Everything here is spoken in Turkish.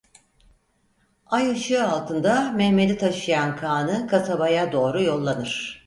Ay ışığı altında Mehmet'i taşıyan kağnı kasabaya doğru yollanır.